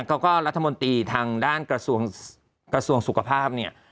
รัฐมนตรีทางด้านกระทรวงสุขภาพเนี่ย